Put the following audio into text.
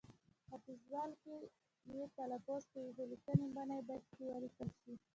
ختیځوال کښې، کې تلفظ کوي، خو لیکنې بڼه يې باید کښې ولیکل شي